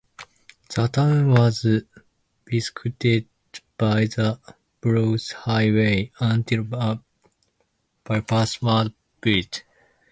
The town was bisected by the Bruce Highway until a bypass was built.